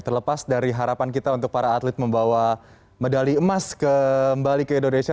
terlepas dari harapan kita untuk para atlet membawa medali emas kembali ke indonesia